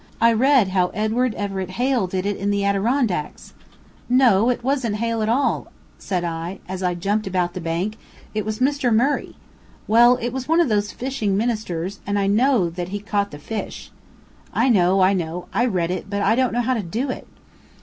I read how Edward Everett Hale did it in the Adirondacks." "No, it wasn't Hale at all," said I, as I jumped about the bank; "it was Mr. Murray." "Well, it was one of those fishing ministers, and I know that it caught the fish." "I know, I know. I read it, but I don't know how to do it."